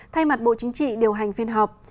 thay mặt bộ chính trị điều hành phiên họp